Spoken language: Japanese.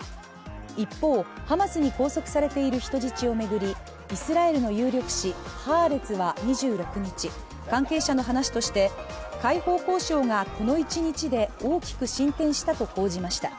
一方、ハマスに拘束されている人質を巡り、イスラエルの有力紙「ハーレツ」は２６日、関係者の話として解放交渉がこの一日で大きく進展したと報じました。